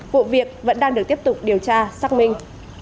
vụ việc vẫn đang được tiếp tục điều tra xác minh